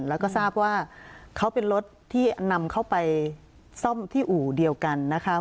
แล้วก็ทราบว่าเขาเป็นรถที่นำเข้าไปซ่อมที่อู่เดียวกันนะคะ